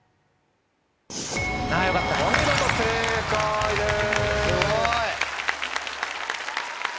お見事正解です。